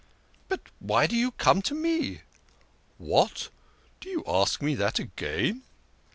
" But why do you come to me ?"" What ! Do you ask me that again?